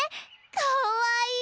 かわいい！